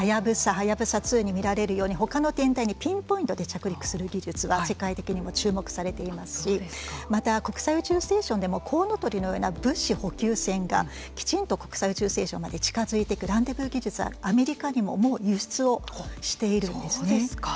はやぶさ２に見られるようにほかの天体にピンポイントで着陸する技術は世界的にも注目されていますしまた国際宇宙ステーションでもこうのとりのような物資補給船がきちんと国際宇宙ステーションまで近づいていくランデブー技術はアメリカにももう輸出をしているんですね。